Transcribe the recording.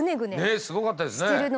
ねえすごかったですね。